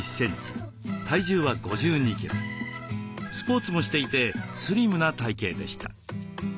スポーツもしていてスリムな体形でした。